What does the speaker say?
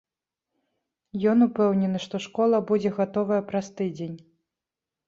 Ён упэўнены, што школа будзе гатовая праз тыдзень.